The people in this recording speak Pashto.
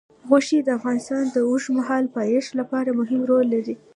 غوښې د افغانستان د اوږدمهاله پایښت لپاره مهم رول لري.